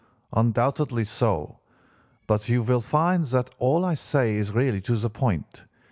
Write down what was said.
"'Undoubtedly so. But you will find that all I say is really to the point.